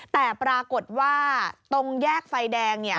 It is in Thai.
แต่ปรากฏว่าตรงแยกไฟแดงเนี่ย